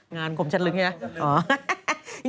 อ๋องานกลมชัดลึงไง